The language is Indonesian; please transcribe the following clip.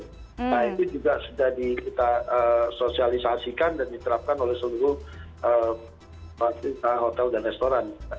nah itu juga sudah kita sosialisasikan dan diterapkan oleh seluruh hotel dan restoran